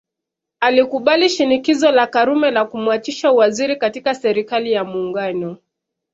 Alikubali shinikizo la Karume la kumwachisha uwaziri katika Serikali ya Muungano